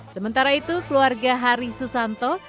sementara itu keluarga hari susanto